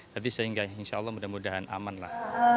jadi sehingga insya allah mudah mudahan aman lah